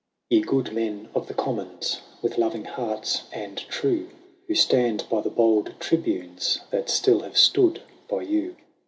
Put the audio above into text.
Ye good men of the Commons, with loving hearts and true. Who stand by the bold Tribunes that still have stood by you.